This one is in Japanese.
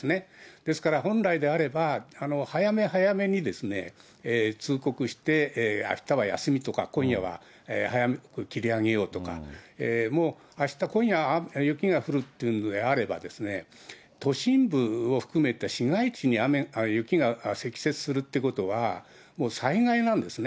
ですから本来であれば、早め早めに通告して、あしたは休みとか、今夜は早く切り上げようとか、もうあした今夜、雪が降るというのであれば、都心部を含めて市街地に雪が積雪するということは、災害なんですね。